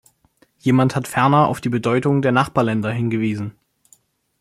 Jemand hat ferner auf die Bedeutung der Nachbarländer hingewiesen.